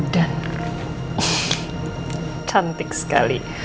dan cantik sekali